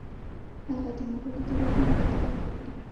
هغه د مغولو د واکمن اطاعت وکړي.